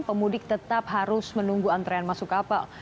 pemudik tetap harus menunggu antrean masuk kapal